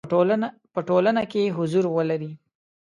په ټولنه کې حضور ولري.